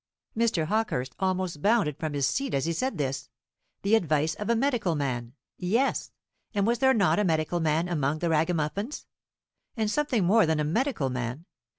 Mr. Hawkehurst almost bounded from his seat as he said this. The advice of a medical man? Yes; and was there not a medical man among the Ragamuffins? and something more than a medical man?